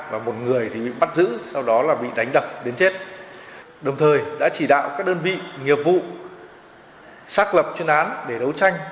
và một người thì bị bắt giữ sau đó là bị đánh đập đến chết đồng thời đã chỉ đạo các đơn vị nghiệp vụ xác lập chuyên án để đấu tranh